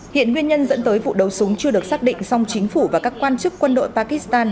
hiện nguyên nhân dẫn tới vụ đấu súng chưa được xác định song chính phủ và các quan chức quân đội pakistan